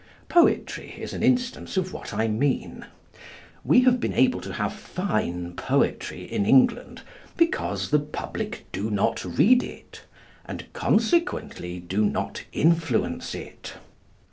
Poetry is an instance of what I mean. We have been able to have fine poetry in England because the public do not read it, and consequently do not influence it.